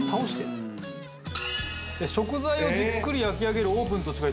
食材をじっくり焼き上げるオーブンと違い